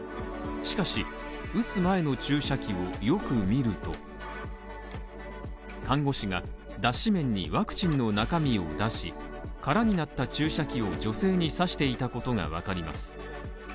しかし、打つ前の注射器をよく見ると看護師が、脱脂綿にワクチンの中身を出し、空になった注射器を女性に刺していたことがわかります。